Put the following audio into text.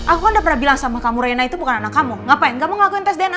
aku anda pernah bilang sama kamu rena itu bukan anak kamu ngapain kamu ngelakuin tes dna